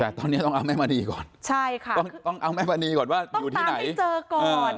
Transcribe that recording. แต่ตอนนี้ต้องเอาแม่มณีก่อนใช่ค่ะต้องเอาแม่มณีก่อนว่าอยู่ที่ไหนเจอก่อน